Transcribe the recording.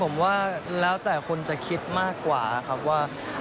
ผมว่าแล้วแต่คนจะคิดมากกว่าครับว่า